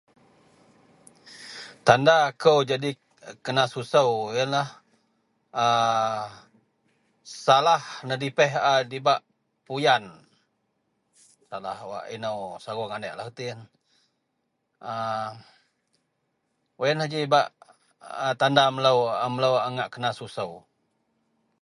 . tanda akou jadi kenasusou ien lah aa salah nedepih a dibak puyan salah wak inou sarung anieklah reti ien, a wak ien la jilah bak tanda melou, melou a ngak kenasusou